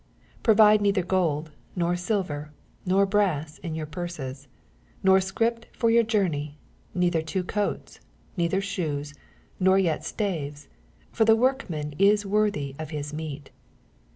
9 Provide neitner gola nor silver, nor brass in your purses^ 10 Nor scrip for ^ovr journey, nei ther two coats, neitner sUoes, nor yet staves : for the workman is worthy of his meat.